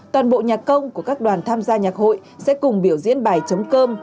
toàn bộ nhạc công của các đoàn tham gia nhạc hội sẽ cùng biểu diễn bài chống cơm